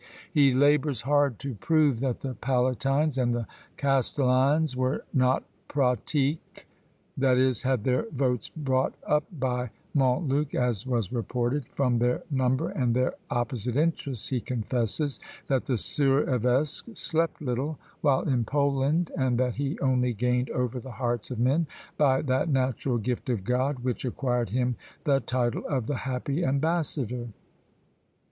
He labours hard to prove that the palatines and the castellans were not pratiqués, i.e., had their votes bought up by Montluc, as was reported; from their number and their opposite interests, he confesses that the sieur evesque slept little, while in Poland, and that he only gained over the hearts of men by that natural gift of God which acquired him the title of the happy ambassador.